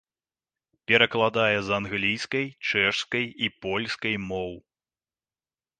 Перакладае з англійскай, чэшскай і польскай моў.